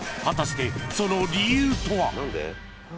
［果たしてその理由とは］